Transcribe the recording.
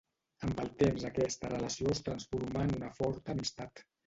Amb el temps aquesta relació es transformà en una forta amistat.